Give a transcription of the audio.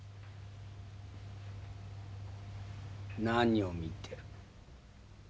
何を見てる？